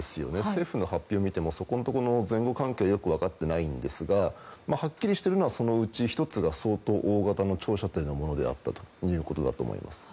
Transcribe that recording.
政府の発表を見てもそこのところの前後関係がよく分かっていないんですがはっきりしているのはそのうち１つが相当大型の長射程のものであったということだと思います。